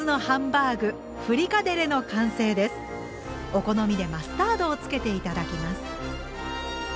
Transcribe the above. お好みでマスタードをつけて頂きます。